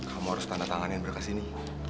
kamu harus tanda tangan yang berkas ini